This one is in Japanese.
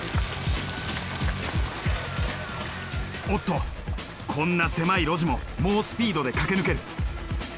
おっとこんな狭い路地も猛スピードで駆け抜ける。